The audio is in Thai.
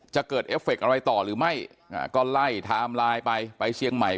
จะเกิดเอฟเฟคอะไรต่อหรือไม่ก็ไล่ไทม์ไลน์ไปไปเชียงใหม่